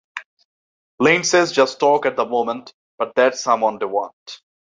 Lindsay's just talk at the moment...but that's someone they want.